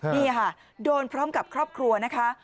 นี่ค่ะโดนพร้อมกับครอบครัวนะคะ